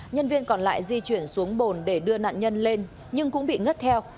nhân viên còn lại di chuyển xuống bồn để đưa nạn nhân lên nhưng cũng bị ngất theo